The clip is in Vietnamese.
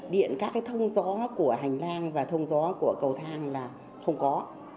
điện các cái thông gió của hành lang và thông gió của cầu thang là không có